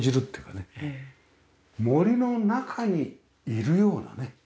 森の中にいるようなね。